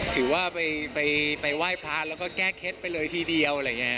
ถือว่าไปไหว้พระแล้วก็แก้เค็ดไปเลยทีเดียว